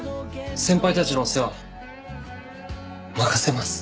先輩たちのお世話任せます。